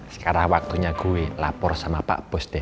sekarang waktunya gue lapor sama pak bos deh